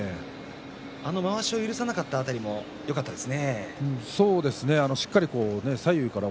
あのまわしを許さなかった辺りがよかったです。